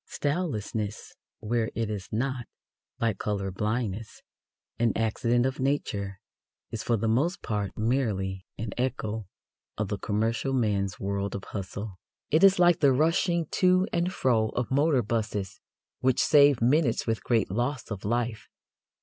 Stylelessness, where it is not, like colour blindness, an accident of nature, is for the most part merely an echo of the commercial man's world of hustle. It is like the rushing to and fro of motor buses which save minutes with great loss of life.